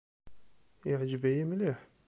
Iɛǧeb-iyi mliḥ.